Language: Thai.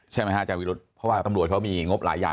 ใช่ไหมฮะอาจารวิรุธเพราะว่าตำรวจเขามีงบหลายอย่าง